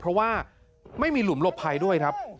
เพราะว่าไม่มีหลุมหลบภัยด้วยครับ